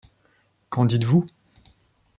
Qu’en dites-vous ?